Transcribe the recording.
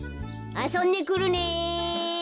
・あそんでくるね！